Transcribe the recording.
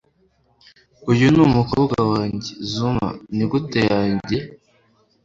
uyu ni umukobwa wanjye, zuma. nigute yanjye